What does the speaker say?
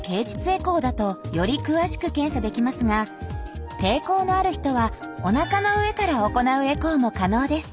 エコーだとより詳しく検査できますが抵抗のある人はおなかの上から行うエコーも可能です。